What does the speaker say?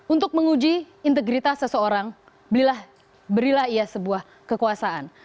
untuk menguji integritas seseorang berilah ia sebuah kekuasaan